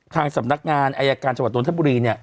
ทางสำนักงานอายการจวดโดนทัพบุรี